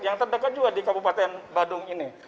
yang terdekat juga di kabupaten badung ini